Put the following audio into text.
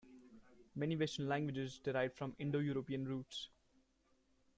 Many Western languages derive from Indo-European roots